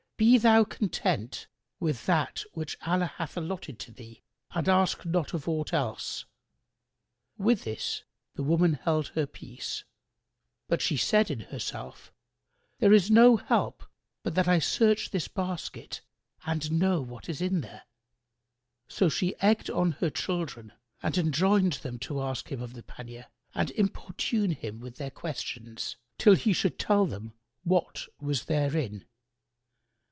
Be thou content with that which Allah hath allotted to thee and ask not of aught else." With this the woman held her peace; but she said in herself, "There is no help but that I search this basket and know what is there." So she egged on her children and enjoined them to ask him of the pannier and importune him with their questions, till he should tell them what was therein.